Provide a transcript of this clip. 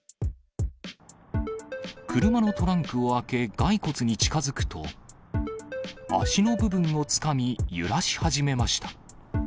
車のトランクを開け、骸骨に近づくと、足の部分をつかみ、揺らし始めました。